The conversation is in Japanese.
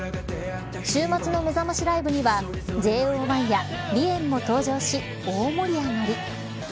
週末の、めざましライブにはＪＯ１や美炎も登場し大盛り上がり。